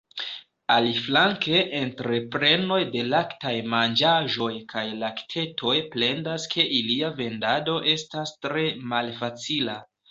Aliflanke entreprenoj de laktaj manĝaĵoj kaj laktejoj plendas ke ilia vendado estas tre malfacila.